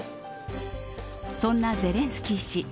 そんなゼレンスキー氏